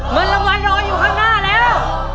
มันรวมร้อยอยู่ข้างหน้าแล้ว